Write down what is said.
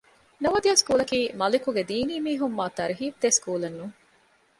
ނަވޯދިޔާ ސްކޫލަކީ މަލިކުގެ ދީނީމީހުން މާ ތަރުހީބުދޭ ސްކޫލެއް ނޫން